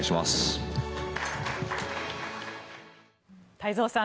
太蔵さん